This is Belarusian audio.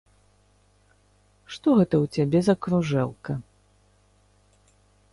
Што гэта ў цябе за кружэлка.